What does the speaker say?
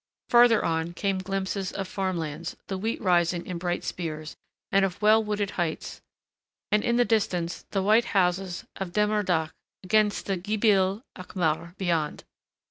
Farther on came glimpses of farm lands, the wheat rising in bright spears, and of well wooded heights and in the distance the white houses of Demerdache against the Gibel Achmar beyond.